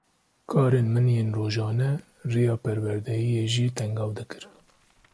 Karên min yên rojane, riya perwerdehiyê jî tengav dikir